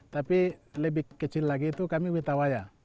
tapi lebih kecil lagi itu kami witawaya